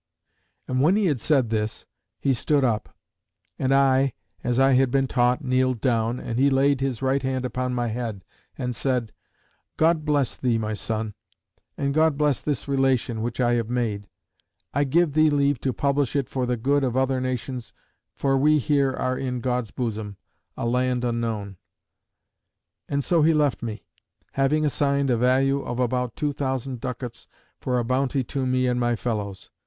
And when he had said this, he stood up; and I, as I had been taught, kneeled down, and he laid his right hand upon my head, and said; "God bless thee, my son; and God bless this relation, which I have made. I give thee leave to publish it for the good of other nations; for we here are in God's bosom, a land unknown." And so he left me; having assigned a value of about two thousand ducats, for a bounty to me and my fellows.